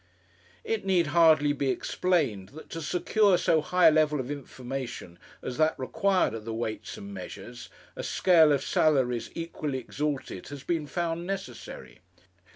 It need hardly be explained, that to secure so high a level of information as that required at the Weights and Measures, a scale of salaries equally exalted has been found necessary.